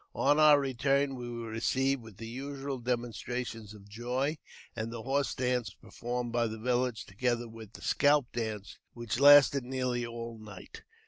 On our return we were received with the usual demonstrations of joy, and the horse dance was pe formed by the village, together with the scalp dance, whi lasted nearly all night.